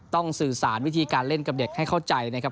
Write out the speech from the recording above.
สื่อสารวิธีการเล่นกับเด็กให้เข้าใจนะครับ